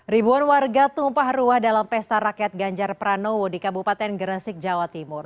ribuan warga tumpah ruah dalam pesta rakyat ganjar pranowo di kabupaten gresik jawa timur